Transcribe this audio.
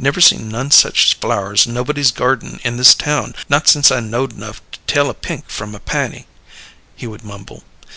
"Never see none sech flowers in nobody's garden in this town, not sence I knowed 'nough to tell a pink from a piny," he would mumble.